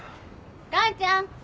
完ちゃん！